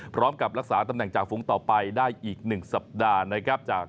พร้อมกับรักษาตำแหน่งจากฟุ้งต่อไปได้อีก๑สัปดาห์นะครับ